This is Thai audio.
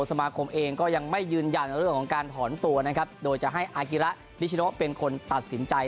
สมาคมเองก็ยังไม่ยืนยันเรื่องของการถอนตัวนะครับโดยจะให้อากิระนิชโนเป็นคนตัดสินใจ